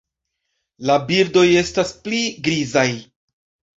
La birdoj estas pli grizaj.